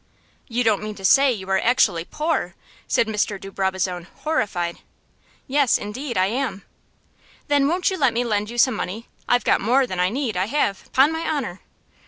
"You don't mean to say you are actually poor?" said Mr. de Brabazon, horrified. "Yes, indeed, I am." "Then, won't you let me lend you some money? I've got more than I need, I have, 'pon my honor."